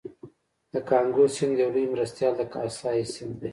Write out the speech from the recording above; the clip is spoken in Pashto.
د کانګو سیند یو لوی مرستیال د کاسای سیند دی